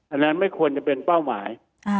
อันนั้นไม่ควรจะเป็นเป้าหมาย